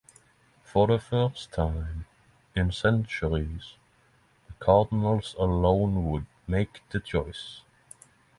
For the first time in centuries the cardinals alone would make the choice.